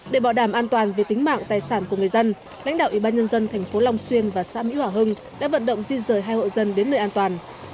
để bảo đảm an toàn về tính mạng tài sản của người dân lãnh đạo ủy ban nhân dân tp long xuyên và xã mỹ hòa hưng đã vận động di rời hai hộ dân đến nơi an toàn